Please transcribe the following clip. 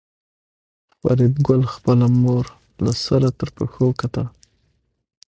فریدګل خپله مور له سر تر پښو وکتله